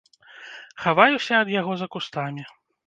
Хаваюся ад яго за кустамі.